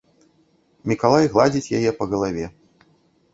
Мікалай гладзіць яе па галаве.